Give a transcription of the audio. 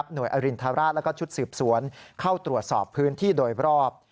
อรินทราชและชุดสืบสวนเข้าตรวจสอบพื้นที่โดยรอบ